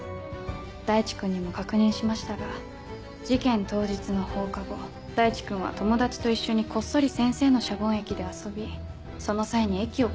大地君にも確認しましたが事件当日の放課後大地君は友達と一緒にこっそり先生のシャボン液で遊びその際に液をこぼしてしまったそうです。